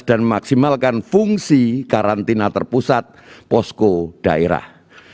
dan memaksimalkan fungsi karantina terpusat posko daerah